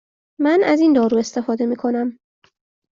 من از این دارو استفاده می کنم.